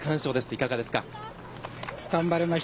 いかがでしたか？